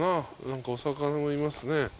何かお魚もいますね。